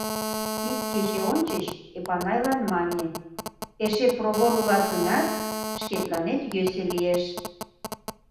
Ик кече ончыч Эпанайлан мане: «Эше провор улат гынат, шкетланет йӧсӧ лиеш.